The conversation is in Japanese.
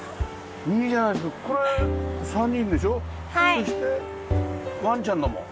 そしてワンちゃんのも。